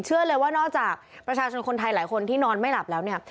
เชื่อเลยว่านอกจากประชาชนคนไทยหลายคนที่นอนไม่หลับแล้วเนี่ย